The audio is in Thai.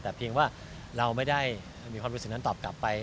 แต่เพียงว่าเราไม่ได้มีความรู้สึกนั้นตอบกลับไป